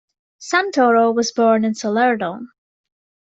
Santoro was born in Salerno.